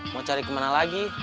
mau cari kemana lagi